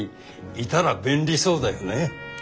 いたら便利そうだよね。